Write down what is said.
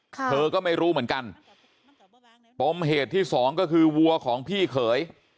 เธอก็ไม่รู้เหมือนกันปมเหตุที่สองก็คือวัวของพี่เขย